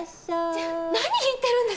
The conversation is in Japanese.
ちょ何言ってるんですか。